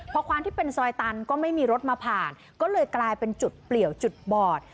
พอความที่เป็นซอยตันก็ไม่มีรถมาผ่านก็เลยกลายเป็นจุดเปลี่ยวจุดบอด